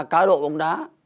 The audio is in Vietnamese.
cái đội bóng đá